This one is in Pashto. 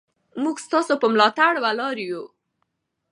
موږ ستاسو په ملاتړ ولاړ یو.